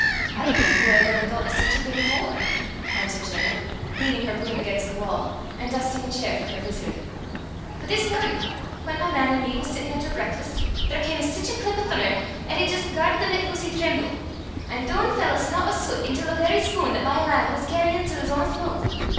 "I kenna hoo I never thoucht o' sic a thing afore," answered Janet, leaning her broom against the wall, and dusting a chair for her visitor; "but this mornin', whan my man an' me was sittin' at oor brakfast, there cam sic a clap o' thunner, 'at it jist garred the bit hoosie trim'le; an' doon fell a snot o' soot intil the very spune 'at my man was cairryin' till 's honest moo'.